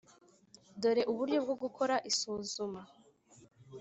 dore uburyo bwo gukora isuzuma\